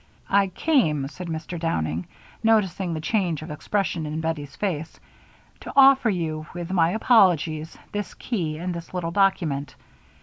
"I came," said Mr. Downing, noticing the change of expression in Bettie's face, "to offer you, with my apologies, this key and this little document.